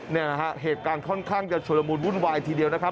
นี่นะฮะเหตุการณ์ค่อนข้างจะชุลมูลวุ่นวายทีเดียวนะครับ